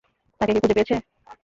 তাকে কি খুঁজে পেয়েছে?